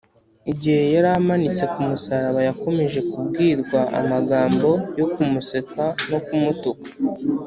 igihe yari amanitse ku musaraba, yakomeje kubwirwa amagambo yo kumuseka no kumutuka